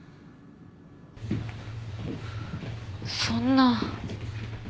そんな。